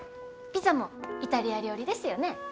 ピザもイタリア料理ですよね。